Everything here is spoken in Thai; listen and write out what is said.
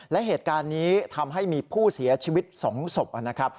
และเหตุการณ์นี้ทำให้มีผู้เสียชีวิต๒ศพนะครับ